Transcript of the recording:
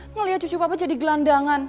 ngelihat cucu papa jadi gelandangan